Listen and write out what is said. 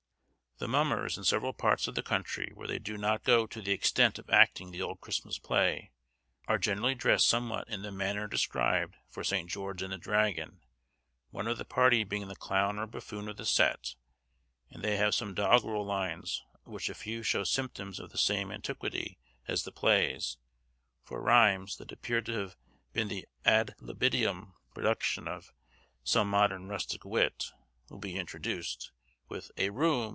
The mummers, in several parts of the country where they do not go to the extent of acting the old Christmas play, are generally dressed somewhat in the manner described for 'St. George and the Dragon,' one of the party being the clown or buffoon of the set; and they have some doggrel lines, of which a few show symptoms of the same antiquity as the plays; for rhymes, that appear to have been the ad libitum production of some modern rustic wit, will be introduced, with "A room!